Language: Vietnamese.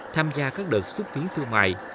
tham gia các đợt xuất phiến thương mại